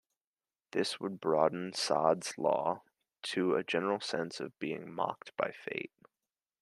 This would broaden Sod's law to a general sense of being "mocked by fate".